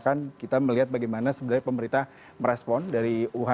nah ini adalah kondisi di mana sebenarnya pemerintah sudah bisa memasuki